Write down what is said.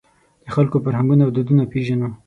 د خلکو فرهنګونه او دودونه پېژنو.